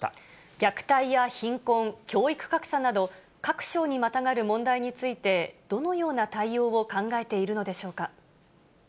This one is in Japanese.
虐待や貧困、教育格差など、各省にまたがる問題について、どのような対応を考えているのでしょうか。